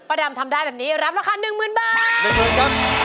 ประดำทำได้แบบนี้ร้ำราคา๑หมื่นบาท